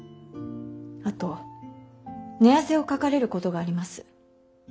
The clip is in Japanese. あと寝汗をかかれることがあります。